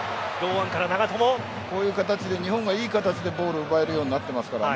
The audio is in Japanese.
こういう形で日本がいい形でボールを奪えるようになってますからね。